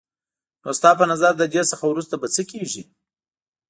نو ستا په نظر له دې څخه وروسته به څه کېږي؟